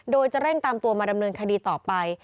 โดยจะเร่งตามตัวมาดำเนินคดีต่อไป